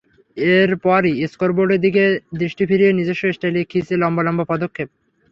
এরপরই স্কোরবোর্ডের দিকে দৃষ্টি ফিরিয়ে নিজস্ব স্টাইলে খিঁচে লম্বা লম্বা পদক্ষেপ।